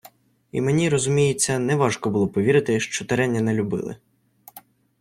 I мені, розуміється, не важко було повірити, що Тереня не любили.